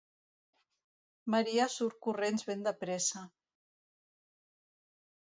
Maria surt corrents ben de pressa.